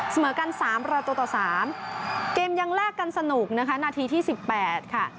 เสมอกันสามประตูต่อสามเกมยังแลกกันสนุกนะคะนาทีที่๑๘ค่ะ